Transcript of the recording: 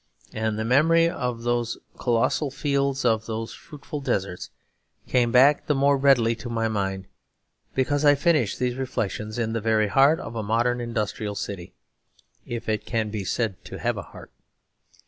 And the memory of those colossal fields, of those fruitful deserts, came back the more readily into my mind because I finished these reflections in the very heart of a modern industrial city, if it can be said to have a heart.